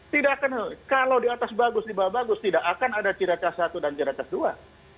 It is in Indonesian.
tidak kenal kalau di atas bagus di bawah bagus tidak akan ada ciri khas satu dan ciri khas dua